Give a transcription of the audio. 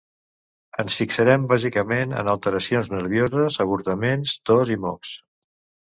Ens fixarem bàsicament en alteracions nervioses, avortaments, tos i mocs.